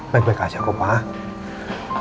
baik baik aja kok pak